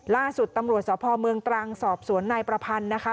ล่าสุดตำรวจสพเมืองตรังสอบสวนนายประพันธ์นะคะ